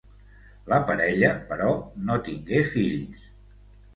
La parella, però, no tingué fills.